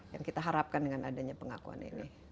yang kita harapkan dengan adanya pengakuan ini